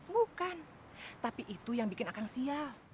bukan tapi itu yang bikin akan sial